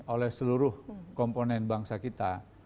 oleh seluruh komponen bangsa kita